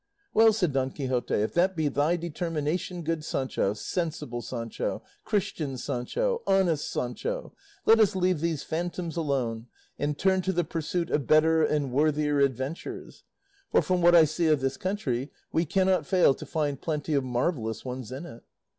"Well," said Don Quixote, "if that be thy determination, good Sancho, sensible Sancho, Christian Sancho, honest Sancho, let us leave these phantoms alone and turn to the pursuit of better and worthier adventures; for, from what I see of this country, we cannot fail to find plenty of marvellous ones in it."